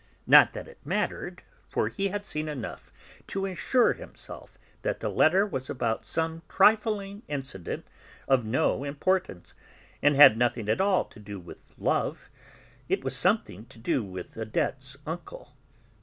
Not that it mattered, for he had seen enough to assure himself that the letter was about some trifling incident of no importance, and had nothing at all to do with love; it was something to do with Odette's uncle.